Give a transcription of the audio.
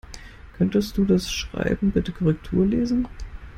Könntest du das Schreiben bitte Korrektur lesen?